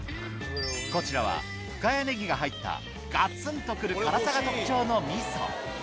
こちらは深谷ねぎが入ったガツン！と来る辛さが特徴のみそ